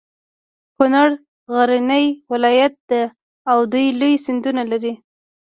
کنړ غرنی ولایت ده او دوه لوی سیندونه لري.